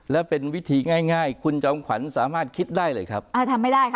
แล้วเป็นวิธีง่ายง่ายคุณจอมขวัญสามารถคิดได้เลยครับอ่าทำไม่ได้ค่ะ